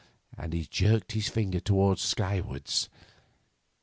And he jerked his finger skywards.